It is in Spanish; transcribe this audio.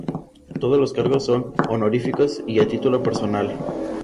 Todos los cargos son honoríficos y a título personal.